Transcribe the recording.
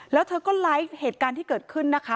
แล้วเธอก็ไลฟ์เหตุการณ์ที่เกิดขึ้นนะคะ